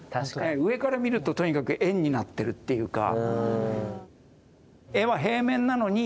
上から見るととにかく円になってるっていうか。